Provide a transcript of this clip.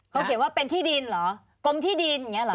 เขาเขียนว่าเป็นที่ดินเหรอกรมที่ดินอย่างนี้เหรอ